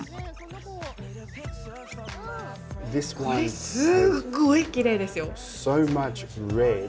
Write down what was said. これすっごいきれいですよ。